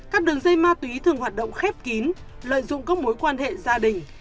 các đường dây ma túy thường hoạt động khép kín lợi dụng các mối quan hệ gia đình